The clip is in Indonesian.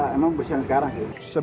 ya emang bersih yang sekarang sih